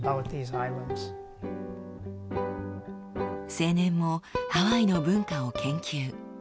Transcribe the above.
青年もハワイの文化を研究。